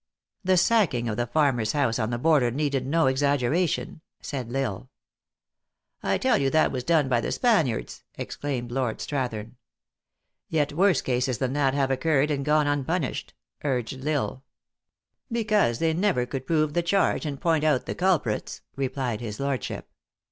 " The sacking of the farmer s house on the border needed no exaggeration," said L Isle. " I tell you that was done by the Spaniards," ex claimed Lord Strathern. " Yet worse cases than that have occurred, and gone unpunished," urged L Isle. " Because they never could prove the charge, and THE ACTRESS IN HIGH LIFE. 327 point out the culprits," replied his lordship.